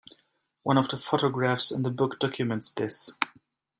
One of the photographs in the book documents this.